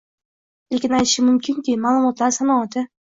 lekin aytishim mumkinki, maʼlumotlar sanoati…